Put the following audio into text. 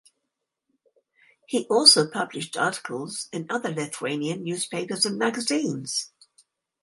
He also published articles in other Lithuanian newspapers and magazines.